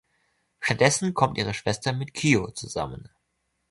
Stattdessen kommt ihre Schwester mit Kyo zusammen.